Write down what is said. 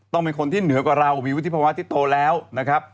เป็นคนที่เหนือกว่าเรามีวุฒิภาวะที่โตแล้วนะครับ